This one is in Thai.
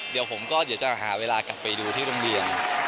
เดี๋ยวผมก็เดี๋ยวจะหาเวลากลับไปดูที่โรงเรียน